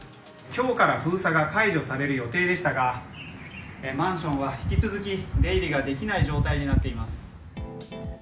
今日から封鎖が解除される予定でしたがマンションは引き続き、出入りができない状態になっています。